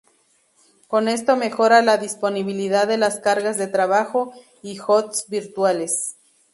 Con esto mejora la disponibilidad de las cargas de trabajo y hosts virtuales.